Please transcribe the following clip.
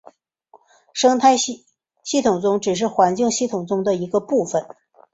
生态系统只是环境系统中的一个部分。